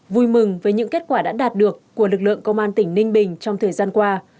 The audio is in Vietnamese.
vui mừng với những kết quả đã đạt được của lực lượng công an tỉnh ninh bình trong thời gian qua